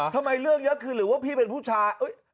ทำไมเรื่องเยอะคือหรือว่าพี่เป็นผู้ชาย